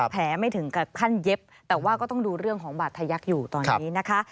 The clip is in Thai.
ไม่ถึงกับขั้นเย็บแต่ว่าก็ต้องดูเรื่องของบาดทะยักษ์อยู่ตอนนี้นะคะ